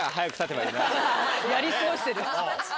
やり過ごしてる。